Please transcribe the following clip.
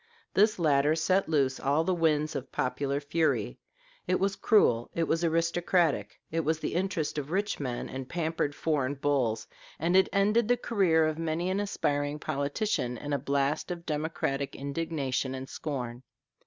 This latter set loose all the winds of popular fury: it was cruel, it was aristocratic; it was in the interest of rich men and pampered foreign bulls; and it ended the career of many an aspiring politician in a blast of democratic indignation and scorn.